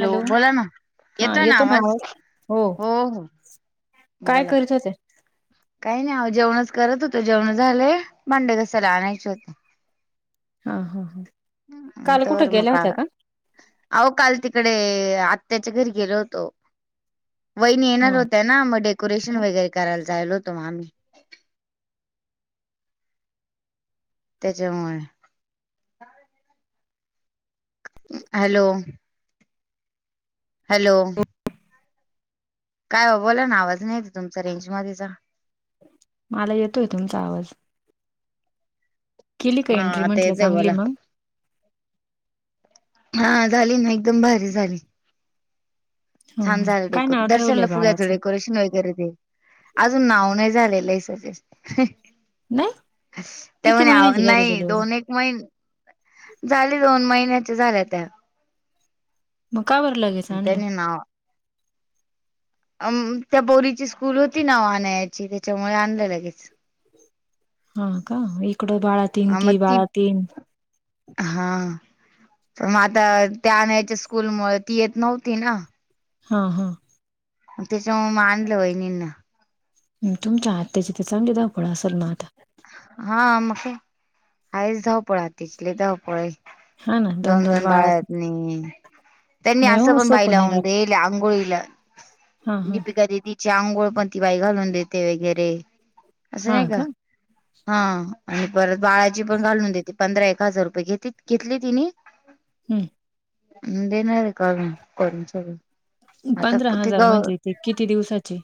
Hello, बोला ना हा येतो ना आवाज? हो, काय बोला करत होते? काही नाही आवो,, जेवणच करत होतो, जेवण झाले, भांडे घासायला आणायचे होते. हा हा हा काल कुठं तर मग गेल्या काय होत्या नाय. का अहो काल तिकडे, आत्त्याच्या घरी गेलो होतो. वहिणी येणार हा होत्या ना, मग डेकोरेशन वगैरे करायला जायल होतो मग आम्ही. त्याच्यामुळे, हॅलो हॅलो काय ओ बोला ना, आवाज नाही एत तुमचा रेंज मध्येचा. मला येतोय तुमचा आवाज. केली काय हा एंट्री आता येतोय चांगली बोला म्हंटलं मग. हां, झाली ना, एकदम भारी झाली. हा छान हा. झालं काय डेकोरे, नाव ठेवलंय दर्शनला फुाग्याचं बाळाचं डेकोरेश वगैरे ते, अजून नाव नाही झालेलं आहे सजे. नाही त्या किती महिन्याची म्हणे झाली नाही, डिलिव्हरी दोन एक महिने झाली, दोन महिन्याच्या झाल्या त्या, मग का बरं लागेच आणलं? त्याने अ, त्या पोरीची स्कूल होती ना वानयाची, त्याच्यामुळे आणलं लगेच. हा का, इकडं बाळा तीन, ती बाळा तीन. हां, पण मग आता त्या आणनयच्या स्कूल मुळ ती येत नव्हती ना. हा, हा, ग त्याच्यामुळ म आनलं वहिणींना, तुमच्या आत्याची तर चांगली दावपळ असेल ना आता. हां, मग काय, आहेच धावपळ आत्याची लय धावपळ हाय. हा ना दोन, दोन बाळ बाळा आहेत निऽ त्यांनी नाही असं हो पण बाई सोपं नाही लावून राहत देल्या आंघोळीला हा हा दीपिका दिदी ची आंघोळ पणतीी बाई घालून देते वगैरे असं नाही का हा आणि परत बाळाचे पण घालून देते पंधरा एक हजार रुपये घेत घेतली तिनी. ह [inaudible] हम् देणार रे काडुन करून सवरून. पंधरा हजार म्हणजे ते किती दिवसाचे?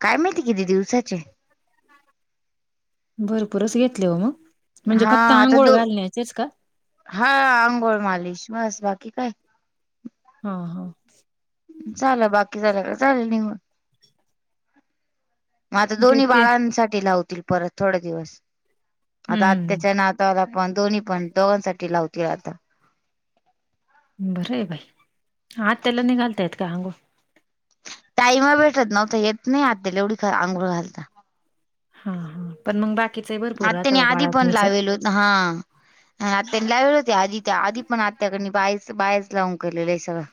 काय माहिती किती दिवसाचे. भरपूरच घेतले ओ मग. म्हणजे हा फक्त आता आंघोळ दो घालण्याचेच का हा आंघोळ मालिश बस बाकी काय. हा हा [inaudible] चालं बाकी झालं का चालले निघून. मग आता दोन्ही देते बाळांसाठी लावतील, परत थोडे दिवस, आता हम्म आत्याच्यि नाव तर पण दोन्ही पण दोघांसाठी लावतीय आता. बरं आहे बाई,, आत्याला नयी घालता येत का अंघोळ? टाईम भेटत नव्हता येत नाही आत्याला एवढी आंघोळ घालता. हा हा पण मग बाकीच हि भरपूर राहत आत्याने आधी बाळत्निच. हा. आणि आनी लावले होते आधी त्या आधी पण आ्याकणी बाई बायस लावून केलेलं आहे सगळं [unintelligible]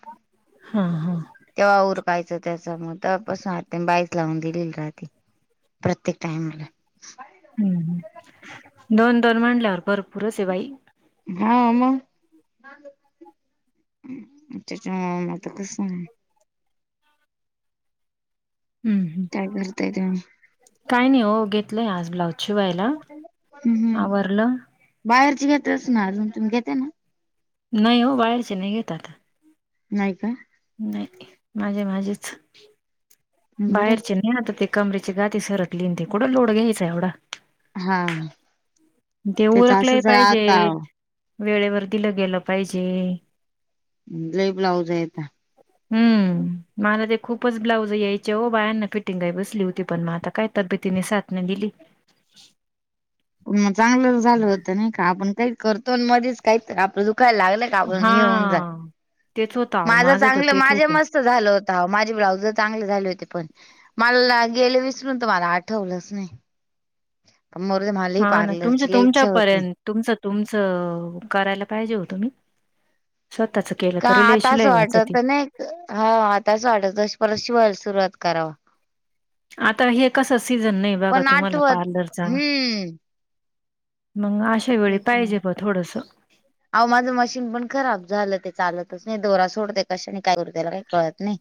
हा हा. तेव्हा ऊरकायचं त्याच म्हणून तवापासुन तेन बाईस लावून दिलेली राहते. प्रत्येक टाईमला. हम्म दोन दोन म्हटल्यावर भरपूरच आहे बाई. हा मग [unintelligible] हम् काय करताय तुम्ही काही नाही ओ घेतलंय आज ब्लाउज. शिवायला हम्म. आवरलं? बाहेरची घेतस ना अजून तुम्ही घेते ना? नाही ओ बाहेरचे नाही घेत आता. नाही का? नाही घेत माझे माझेच. बरं बाहेरचे नाही आता ते कमरेची गाती सरकली न ते कूट लोड घ्यायचा एवढा. हा. ते त्याच उरखलंय असंच पाहिजे आता वेळेवर दिलं गेलं पाहिजे. लयी ब्लाऊज आहेत. हम्म मला ते खूपच ब्लाऊज यायचे ओ बायांना फिटिंगई बसली होती पण मग आता काय तब्बेतेनी साथ नाय दिली. मग चांगलं झालं होतं नाही का आपण काही करतो मध्येच काही आपलं दुखायला लागलं [unintelligible] येऊन जा हां. तेच होतं अहो माझ माझं तर चांगलं तेच माझ्या होतं. मस्त च झालं होता आवो माझे ब्लाउज चांगले झाले होते पण मला गेलं विसरून तर मला आठवलंच नाही. मरूदे मग हा ना तुमच तुमच्या पर्यंत तुमचं तुमचं करायला पाहिजे ओ तुम्ही. स्वतःच केलं का तर रिले आता शि असं लयी वाटत वाजती. [unintelligible] नाही हा आताच वाटत परत शिवाय सुरुवात कराव. आता हे कस सीझन नाही बघा पण तुम्हाला आठवत पार्लरचा. हम्म मग अशा वेळी पाहिजे ब थोडस. आवो माझं मशीन पण खराब झालं ते चालतच नाही दोरा सोडते कशा आणि काय करतेला काही कळत नाही.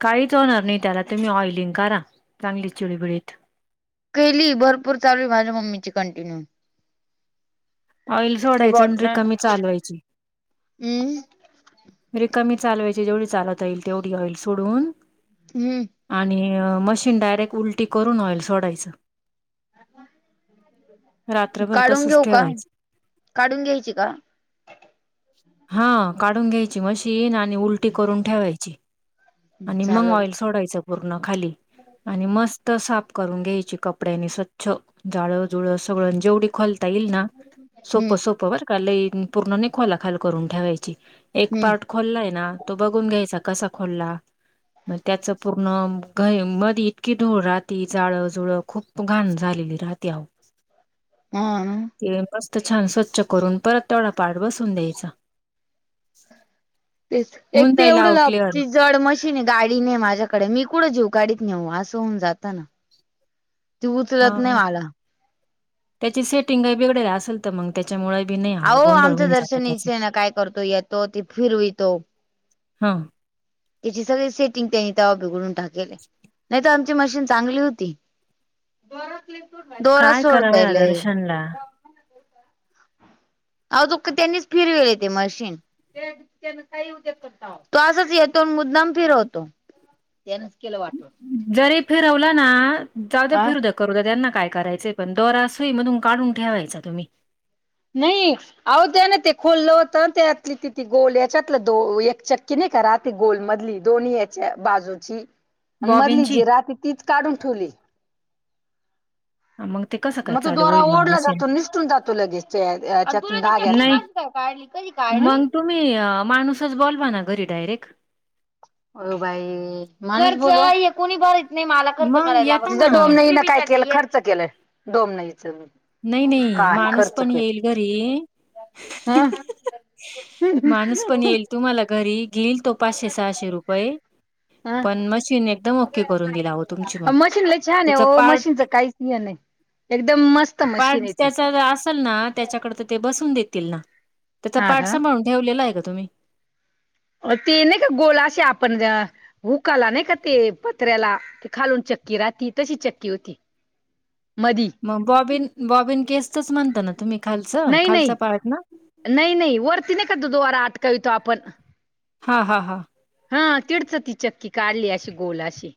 काहीच होणार नाही त्याला तुम्ही ऑइलिंग करा चांगली चिळीबिडीत. केली भरपूर चालुय माझ्या मम्मीची कंटिन्यू. ऑइल मी सोडायचं आणि रिकामी चालवायची. हम् रिकामी चालवायचि जेवढी चालवता येईल तेवढी आँईल सोडून. हम्म आणि मशीन डायरेक्ट उलटी करून ऑईल सोडायचं. रात्रभर काढून तसच घेऊ का ठेवायचं. काढून घ्यायची का? हा काढून घ्यायची मशीन आणि उलटी करून ठेवायची. आणि मग चालेल. ऑइल सोडायच पूर्ण खाली आणि मस्त साफ करून घ्यायची कपड्यांनी स्वच्छ जाळजुळ सगळं जेवढी खोलता येईल ना हम्म सोपं सोपं बर का लई पूर्ण नाही खोलाखाल करून ठेवायची. एक हम्म पार्ट खोललाय ना तो बघून घ्यायचा कसा खोलला. मग त्याच पूर्ण घ मध्ये इतकी धूळ राहते जाळंजुळं खूप खूप घाण झालेली राहते आहो. हम्म ते मस्त छान स्वच्छ करून परत तेवढा पाठ बसून द्यायचा. तेच एक होऊन ते जाईल एवढं आहो क्लिअर. लाबची जड मशीन आहे गाडी नाही माझ्याकडे मी कुठं जीवगाडीत नेऊ असं होऊन जातं ना ती उचलत नाही हा मला त्याची सेटिंग बिघडली असेल. तर मग त्याच्यामुळे बी नाही हव अहो गोंधळ आमचा होन जातो दर्शन त्याचा इथे ना काय करतो येतो ती फिरवितो हा त्याची सगळे सेटिंग त्यांनी तेव्हा बिघडून टाकले. नाही तर आमची मशीन चांगली होती दोरा सोडता लय. ला त्यांनीच फिरवेले ते मशीन तो असचं येतो मुद्दाम फिरवतो त्यान केलं वाटतं जरी फिरवला ना जाऊ तर हा फिरू दे. करू दे त्यांना काय करायचंय पण दोराच नाही म्हणून काढून ठेवायचा. नाही. अहो त्या ना ते खोललं होतं त्यातली तिथती गोल याच्यातलं दो एक चक्की नाही का राहत. गोल मधली दोन्ही याच्या बाजूची आणि मधली बॉबीनची जी राहते तीच काढून ठेवली. मग ते कसं काय मग तो चालू दोरा होईल मग ओढला मशीन. जातो निसटून जातो लगेच त्याच्यात धाग्यात नाही कधी मग तुम्ही माणूसच बोलवना घरी डायरेक्ट हो बाई मे कोणी बरं नाही मला खर्च मग करायला येता लात ना. डोम काय केलं खर्च केलं डोमनईच नाही नाही काय माणूस खर्च पण येईल केलं घरी हम्म माणूस पण येईल तुम्हाला घरी घेईल तो पाचशे सहाशे रुपये हम्म पण मशीन एकदम ओके करून देईल हो तुमची मग त्याच पार्ट ह नाही एकदम मस्त पार्ट मशीन आहे ती त्याचा असेल ना त्याच्याकडे तर ते बसून देतील ना त्याचा हा पार्ट का सांभाळून ठेवलेलं आहे का तुम्ही? ते नाही का गोलशी आपण हुकाला नाही का ते पत्र्याला ते खालून चक्की राहती तशी चक्की होती. मधी मग बॉबीन बॉबीन केसच म्हणता ना तुम्ही खालचं नाही खालचा नाही पार्ट ना नाही नाही वरती नाही का तो दोरा अटकावितो आपण हा हा हा हा तिचं ती चक्की काढली अशी गोल अशी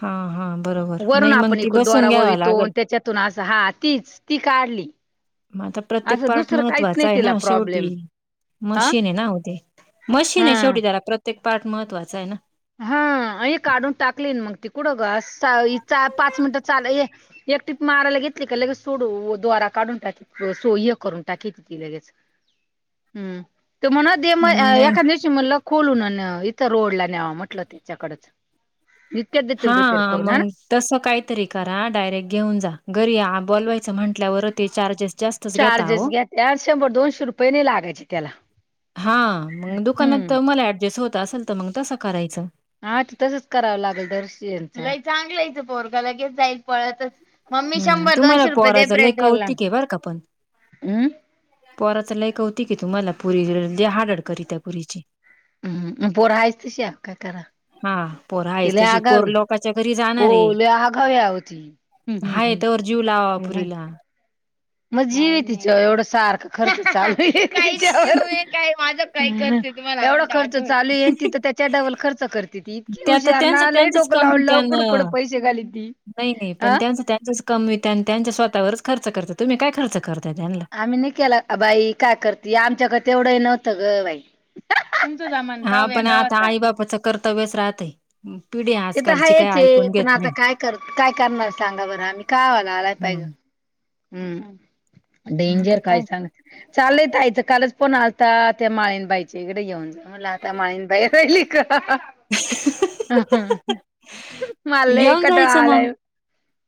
हा हा बरोबर वरून नाही मग आपण ती एकूण बसून दोरा घ्यावा ववितो आणि लागलं त्याच्यातून असं हा तीच ती काढली आता प्रत्येक असं पार्ट दुसरं काहीच महत्त्वाचा नाही आहे तिला ना शेवटी प्रॉब्लेम हा मशीन आहे ना आहो ते मशीन हा आहे शेवटी त्याला प्रत्येक पार्ट महत्वाच आहे ना? हा अ काढून टाकली मग त कुडं ग पाच मिनटं चाल ये एकटीप मारायला घेतली का लगे सोडू द्वारा काढून टाक सोय करून टाकी त ती लगेच हम्म ते म्हण हम्म, नाही. एखा दिवशी म्हटलं खोलून इथं रोड ला न्यावा म्ह त्याच्याकड हा मंग तसं काहीतरी करा डायरेक्ट घेऊन जा घरी ह बोलवायचं म्हटल्यावर ते चार्जेस जास्त चार्जेस घ्या शंभर दोनशे रुपये नाही लागायचे त्याला हा मग दुकानात हम्म तर मला ऍडजस्ट होत असेल तर मग तसं करायचं हा तसच करावं लागेल दर्शन चांगलंचं पोरगालागेच जाईल पळतच मम्मी हम्म शंभर तुम्हाला दोनशे रुपये दे पोहराच पेट्रोलला लेकावती घेव का पण पोराचं लय कोवतुक आहे तुम्हला पुरी हड हम्म पोरहायच तश या काय करा. हा पोर हा आहे ती लय तशी आगाव पोर आहे लोकाच्या घरी जाणार आहे. हो लय आघाव ये ती हाय तोवर जीव लावावा पोरीला मग जीव तिच एवढं सारखं खर्च चालू आहेवर काय माझ का कर एवढा खर्च चालू येन त तर त्याच्या डबल खर्च करते त की त्या तर हुशार त्यांचं ना त्यांचंच लई ोकं कमी लावडलं उघड त्यानं उकडं पैसे घाली ती नाही नाही पण त्या त्या कमी त्यांच्या स्वतःवरच खर्च करत तुम्ही काय खर्च करता त्यांना आम्ही नाही केला बाई काय करते आमच्याकडे तेवढं नव्हतं ग बाई हा पण हो आता का आई बापाचं कर्तव्यच राहतय पिढी ते तर आजकालची काही हाच ऐकून घेत पण आता नाही. काय कर काय करणार सांगा बरं आम्ही कायवाला आलाय पाहिजे हं, हम्म मग आता डेंजर काय सग चालय आयचं कालच पण आलता त्या माळीनबाईचे इकडे येऊन जा मलाता मायन बायल का ह मल येऊन जायचं कटळालाय मग.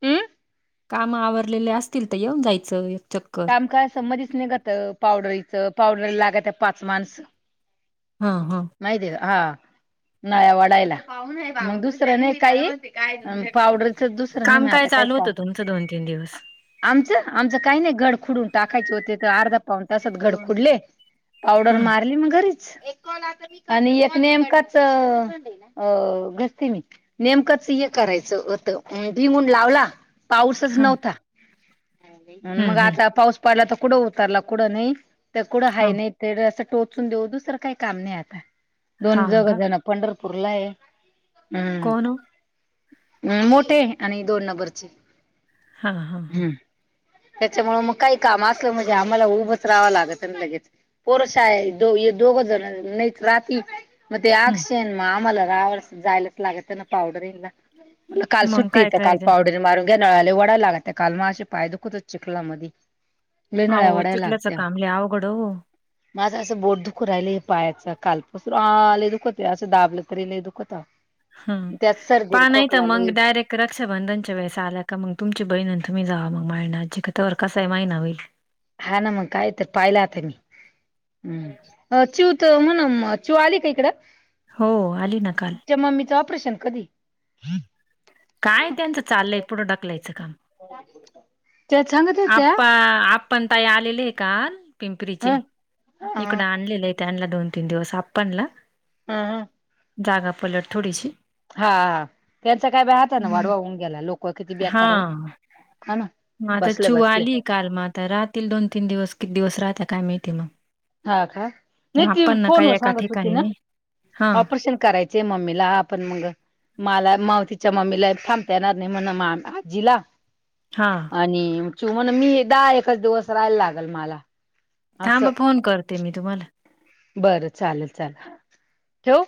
हम् काम आवरलेले असतील तर येऊन जायचं एक चक्कर काम काय समजच नाही गात पावडरीचं पावडर लागत पाच माणसं हा हा माहि दे हा नळ्या वाढायला मग दुसरं नाही काही पावडर दुसरं नेम काम आता काय चालू का होतं तुमचं दिवस? आमचं आमचं काही नाही गड फुडून टाकायचे होते तर अर्धा पाऊंड तासात गड फुडले पावडर हां, मारली मग घरीच आणि एक नेमकाच अ घसते मी नेमकंच हे करायचंत भि म्हून लावला पाऊसच हां. नव्हता मग हं, हं. आता पाऊस पडला तर कुठं उतरला कुठं नाही तर कुठं ह हां. नाही ते असं टोचून देऊ दुसरं काही काम नाही आता दोन हां जाग का? जण पंढरपूर ला आहे हम् कोण हो? हम मोठे आणि दोन नंबरचे हा हा हां हम्म. त्याच्यामुळे मग काही काम असलं म्हणजे आम्हाला उभच राहावं लागत ना लगेच पोरसा आहे दो य दोघो जण नाही राात मग ते अ हं. क्षेण मग आम्हाला राव जायलाच लागत ना पावडर येला म काल मग सुट्टी काय येते काल करायचं? पावडर मारून घ्या नळाला वडायला लागत काल माझं पाय दुखत कुतच चिखलात मध्ये अ चिखलाच काम लय अवघड माझं असं बोट दुखवू राहिलंय पायाचं कालपासूनच सर आले दुखत असं दाबलं तरी नाही दुखत अहो. हम त्यात प सर्दी आणि नाही तर खोकला मंग लय डायरेक्ट ता रक्षाबंधनच्या वेळेस आल्या का मग तुमची बहीण अन तुम्ही जावा मग माळीन आजीक. तवर कासाही महीना होईल. हा ना मग काय तर. पाहिल आता मी. हं. अ चिऊ त म्हण म, चिऊ आली का इकडं? हो आली ना काल. च्या मम्मीचं ऑपरेशन कधीय? काय त्यांचं चाललंय पुढं ढकलायचं काम. [inaudible] त्या सांग आप्पा आप्पा न ताई आलेलेये काल ह पिंपरीचे. ह इकडं आणलेलंये त्यांला दोन तीन दिवस आप्पांला. हं हं. जागा पलट थोडीशी. हा. त्यांचा काय बाई हाताने वाढवा होऊन गेला. लोकं किती हा बेकरा व. हा ना. मग आता बस चिऊ आलीये काल म. आता राहतील दोन तीन दिवस. किती दिवस राहता काय माहिती मग? हा का? नही त्या ती आप्पांना काय फोनव एका सांगत होती ठिकाणी ना नाही हा ऑपरेशन करायच चय मम्मीला. पण मग मलाय माव तिच्या मम्मीलाय थांबता येणार नाही म्हण मा आजीला. हा. आणि चिऊ म्हण मी दहा एकच दिवस राहायला लागल मला. असं थांब फोन करते मी तुम्हाला. बरं चालल चाल. हा, ठेवू?